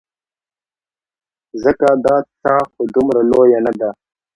ځکه دا څاه خو دومره لویه نه ده.